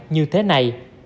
như thế này